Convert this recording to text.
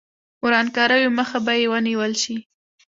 ورانکاریو مخه به یې ونیول شي.